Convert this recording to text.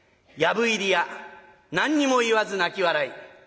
「藪入りや何にも言わず泣き笑い」。